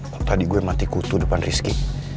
kalau tadi gue mati kutu depan rizky